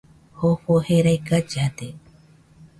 Jofo jerai gallade